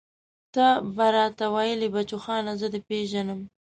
ته به راته ويلې بچوخانه زه دې پېژنم.